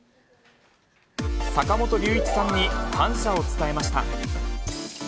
坂本龍一さんに感謝を伝えました。